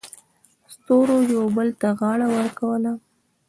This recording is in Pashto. ستورو یو بل ته غاړه ورکوله.